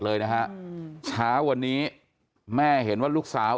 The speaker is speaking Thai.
เลยนะฮะเช้าวันนี้แม่เห็นว่าลูกสาว